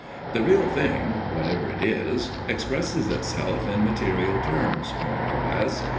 The Real Thing, whatever it is, expresses itself in material terms, more or less.